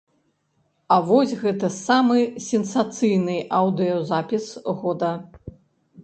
А вось гэта самы сенсацыйны аўдыёзапіс года.